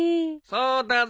そうだぞ。